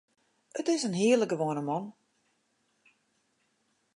It is in hiele gewoane man.